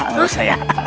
nggak usah ya